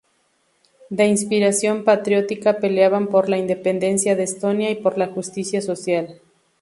De inspiración patriótica, peleaban por la independencia de Estonia y por la justicia social.